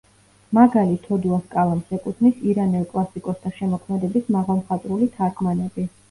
მაგალი თოდუას კალამს ეკუთვნის ირანელ კლასიკოსთა შემოქმედების მაღალმხატვრული თარგმანები.